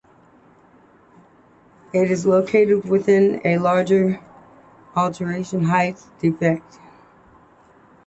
It is located within the larger Arlington Heights district.